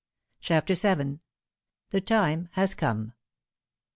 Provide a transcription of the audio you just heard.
CHAPTER VH. THE TIME HAS COME.